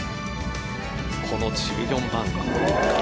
この１４番。